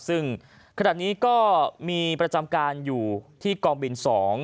ซึ่งขณะนี้ก็มีประจำการอยู่ที่กองบิน๒